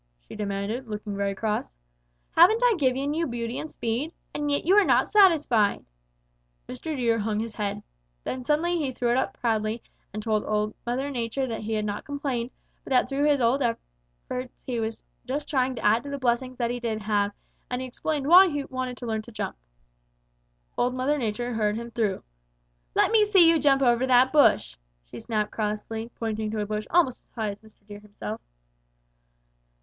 she demanded, looking very cross. 'Haven't I given you beauty and speed? And yet you are not satisfied!' Mr. Deer hung his head. Then suddenly he threw it up proudly and told Old Mother Nature that he had not complained, but that through his own efforts he was just trying to add to the blessings which he did have, and he explained why he wanted to learn to jump. Old Mother Nature heard him through. 'Let me see you jump over that bush,' she snapped crossly, pointing to a bush almost as high as Mr. Deer himself.